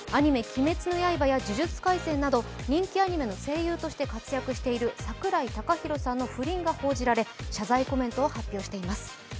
「鬼滅の刃」や「呪術廻戦」など人気アニメの声優として活躍している櫻井孝宏さんの不倫が報じられ謝罪コメントを発表しています。